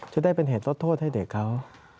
จะได้เป็นเหตุลดโทษให้เด็กเขา